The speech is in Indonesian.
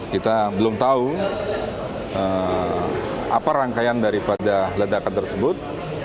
kita belum tahu apa rangkaian daripada ledakan tersebut